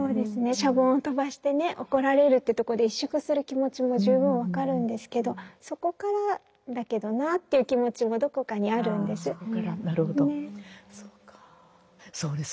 シャボンを飛ばしてね怒られるってとこで萎縮する気持ちも十分分かるんですけどそこからだけどなっていう気持ちもどこかにあるんですよね。